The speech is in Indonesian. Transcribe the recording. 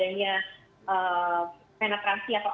jadi iya adanya penetrasi internet